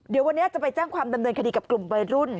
เดี๋ยววันนี้จะไปแจ้งความดำเนินคดีกับกลุ่มวัยรุ่น